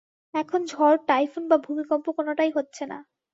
এখন ঝড়, টাইফুন বা ভূমিকম্প কোনোটাই হচ্ছে না।